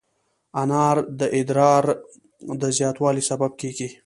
انار د ادرار د زیاتوالي سبب کېږي.